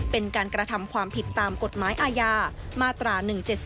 เป็นการกระทำความผิดตามกฎหมายอาญามาตรา๑๗๒